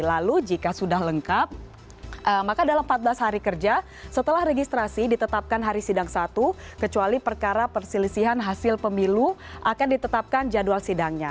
lalu jika sudah lengkap maka dalam empat belas hari kerja setelah registrasi ditetapkan hari sidang satu kecuali perkara perselisihan hasil pemilu akan ditetapkan jadwal sidangnya